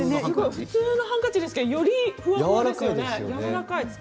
普通のハンカチですけどよりやわらかいふわふわですよね。